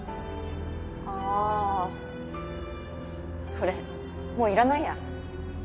ああそれもういらないや。